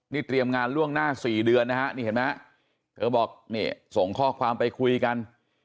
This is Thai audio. นี่เตรียมงานล่วงหน้า๔เดือนนะฮะนี่เห็นไหมเธอบอกนี่ส่งข้อความไปคุยกัน